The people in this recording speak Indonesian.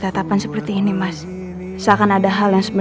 terima kasih mas